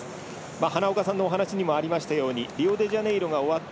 花岡さんのお話にもあったようにリオデジャネイロが終わった